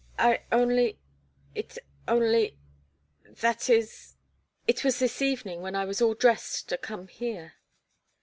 "I only it only came that is it was this evening, when I was all dressed to come here."